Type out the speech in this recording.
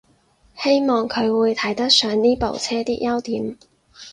希望佢會睇得上呢部車啲優點